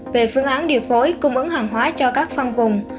về phương án điều phối cung ứng hàng hóa cho các phân vùng